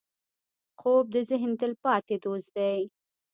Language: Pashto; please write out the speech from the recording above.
خوب د ذهن تلپاتې دوست دی